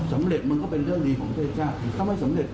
สำเร็จมันก็เป็นเรื่องดีของเทชาถ้าไม่สำเร็จ